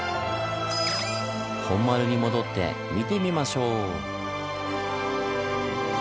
本丸に戻って見てみましょう。